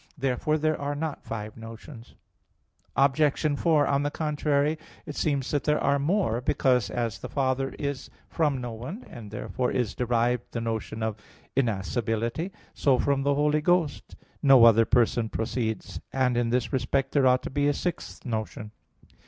Therefore there are not five notions. Obj. 4: On the contrary, It seems that there are more; because as the Father is from no one, and therefrom is derived the notion of innascibility; so from the Holy Ghost no other person proceeds. And in this respect there ought to be a sixth notion.